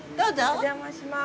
お邪魔します。